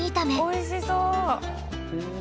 おいしそう！